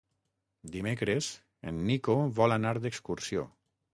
Dimecres en Nico vol anar d'excursió.